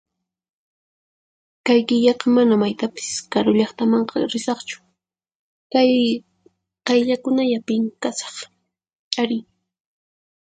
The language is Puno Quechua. Kay killaqa mana maytapis karu llaqtamanqa risaqchu, kay qayllallakunapin kasaq. Arí.